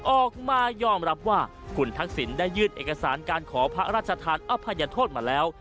ออกมายอมรับว่าคุณทักษิณได้ยื่นเอกสารการขอพระราชทานอภัยโทษมาแล้ว